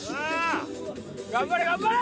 頑張れ頑張れ！